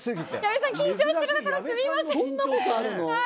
矢部さん緊張しているところすみません。